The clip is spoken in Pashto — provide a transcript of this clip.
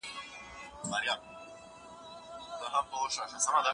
که وخت وي، ليک لولم!